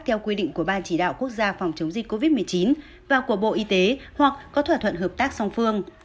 theo quy định của ban chỉ đạo quốc gia phòng chống dịch covid một mươi chín và của bộ y tế hoặc có thỏa thuận hợp tác song phương